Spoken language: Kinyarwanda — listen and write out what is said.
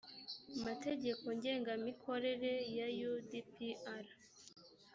mategeko ngengangamikorere ya u d p r